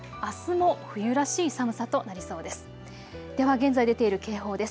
あすも冬らしい寒さとなりそうです。